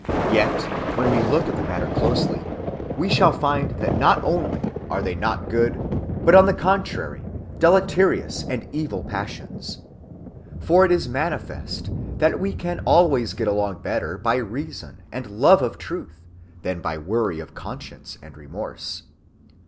Yet when we look at the matter closely, we shall find that not only are they not good, but on the contrary deleterious and evil passions. For it is manifest that we can always get along better by reason and love of truth than by worry of conscience and remorse.